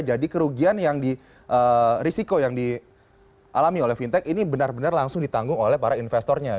jadi kerugian yang di risiko yang dialami oleh fintech ini benar benar langsung ditanggung oleh para investornya